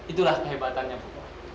itulah kehebatannya bu